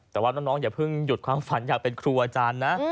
แต่ว่าน้องอย่าเพิ่งหยุดความฝันอยากเป็นครูอาจารย์นะ